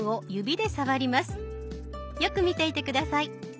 よく見ていて下さい。